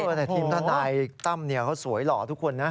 น้องผู้หญิงปฏิหรักษ์ว่าทีมทนายต้ำเนี่ยเขาสวยหล่อทุกคนนะ